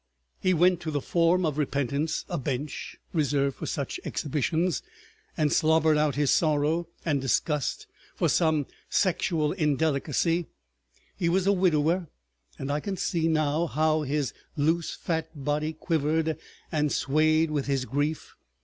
He went to the form of repentance, a bench reserved for such exhibitions, and slobbered out his sorrow and disgust for some sexual indelicacy—he was a widower—and I can see now how his loose fat body quivered and swayed with his grief.